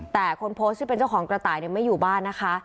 แต่คนโพสต์ที่เป็นเจ้าของกระต่ายไม่อยู่บ้านนะคะ